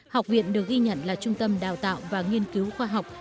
học viện được ghi nhận là trung tâm đào tạo và nghiên cứu khoa học